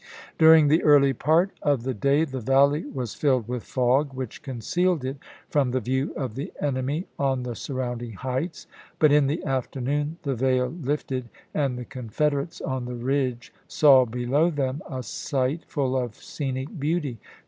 During the early part of the day the valley was nov.24,i863. filled with fog, which concealed it from the view of the enemy on the surrounding heights ; but in the afternoon the veil lifted, and the Confederates on the ridge saw below them a sight full of scenic beauty.